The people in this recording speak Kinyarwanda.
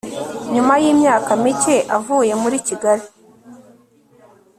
nyuma yimyaka mike avuye muri kigali